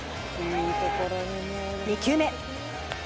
２球目。